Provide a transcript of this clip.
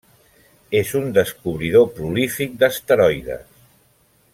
És un descobridor prolífic d'asteroides.